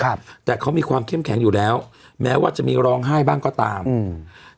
ครับแต่เขามีความเข้มแข็งอยู่แล้วแม้ว่าจะมีร้องไห้บ้างก็ตามอืม